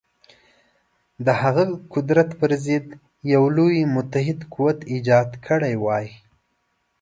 د هغه قدرت پر ضد یو لوی متحد قوت ایجاد کړی وای.